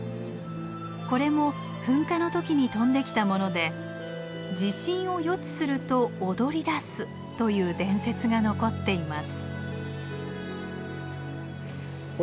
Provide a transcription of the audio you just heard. これも噴火の時に飛んできたもので地震を予知すると踊りだすという伝説が残っています。